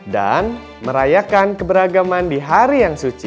dan merayakan keberagaman di hari yang suci